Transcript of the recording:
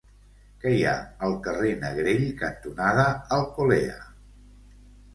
Què hi ha al carrer Negrell cantonada Alcolea?